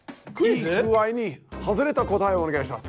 いい具合に外れた答えをお願いします。